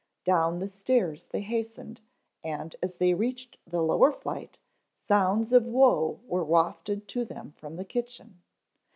Down the stairs they hastened and as they reached the lower flight sounds of woe were wafted to them from the kitchen.